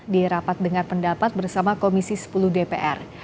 di rapat dengar pendapat bersama komisi sepuluh dpr